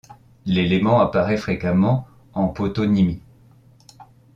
L'élément apparaît fréquemment en toponymie.